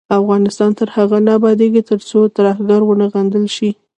افغانستان تر هغو نه ابادیږي، ترڅو ترهګري وغندل شي.